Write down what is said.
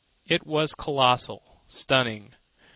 It was colossal, stunning.